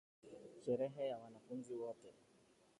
Sherehe ya wanafunzi wote.